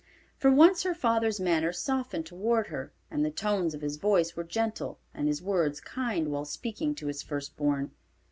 For once her father's manner softened toward her and the tones of his voice were gentle and his words kind while speaking to his first born.